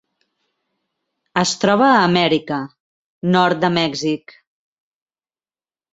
Es troba a Amèrica: nord de Mèxic.